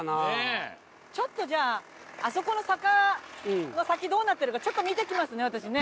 ちょっとじゃああそこの坂の先どうなってるかちょっと見てきますね私ね。